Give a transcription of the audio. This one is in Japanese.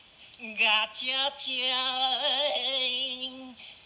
ガチョチョーン！